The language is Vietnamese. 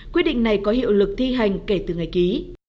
quyết định này có hiệu lực thi hành kể từ ngày ký